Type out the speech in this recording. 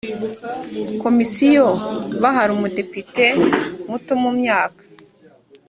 komisiyo bahari umudepite muto mu myaka